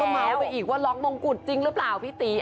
แล้วก็มาเอาไปอีกว่าล็อกมงกุฎจริงหรือเปล่าพี่ตี